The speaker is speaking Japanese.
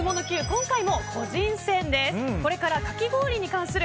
今回も個人戦です。